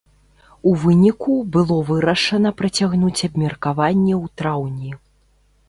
У выніку, было вырашана працягнуць абмеркаванне ў траўні.